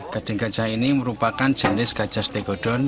gading gajah ini merupakan jenis gajah stegodon